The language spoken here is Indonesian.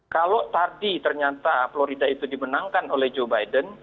kalau tadi ternyata florida itu dimenangkan oleh joe biden